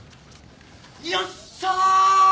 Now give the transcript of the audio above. ・よっしゃー！